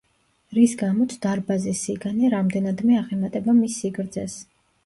რის გამოც დარბაზის სიგანე რამდენადმე აღემატება მის სიგრძეს.